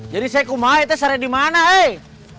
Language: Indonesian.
jadi saya kumai itu ada dimana hei